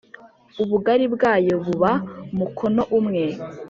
ubugari bwayo buba mukono umwe